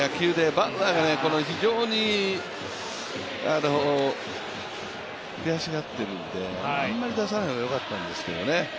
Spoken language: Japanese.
バウアーが非常に悔しがっているので、あまり出さない方がよかったんですよね。